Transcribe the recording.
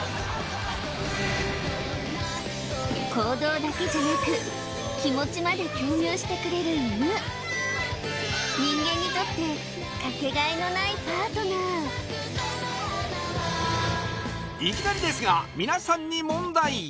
行動だけじゃなく気持ちまで共有してくれる犬人間にとってかけがえのないパートナーいきなりですが皆さんに問題